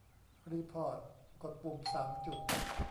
รีพอร์ต : กดปุ่มสามจุด